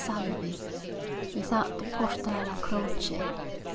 Salvi, without the Porta alla Croce.